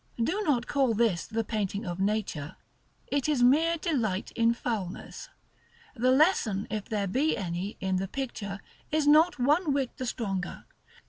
Do not call this the painting of nature: it is mere delight in foulness. The lesson, if there be any, in the picture, is not one whit the stronger.